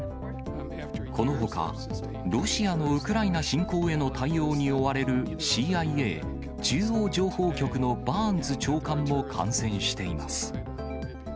このほか、ロシアのウクライナ侵攻への対応に追われるＣＩＡ・中央情報局のバーンズ長官も感染しています。